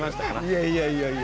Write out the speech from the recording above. いやいやいやいや。